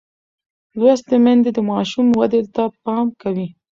لوستې میندې د ماشوم ودې ته پام کوي.